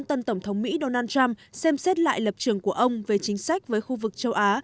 tân tổng thống mỹ donald trump xem xét lại lập trường của ông về chính sách với khu vực châu á